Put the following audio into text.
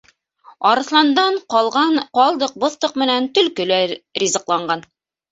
Арыҫландан ҡалған ҡалдыҡ-боҫтоҡ менән төлкө лә ризыҡланған.